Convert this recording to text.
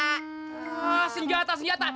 ah senjata senjata